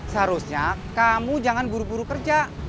seharusnya kamu jangan buru buru kerja